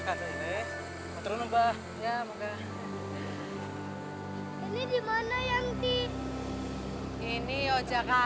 karena baru juga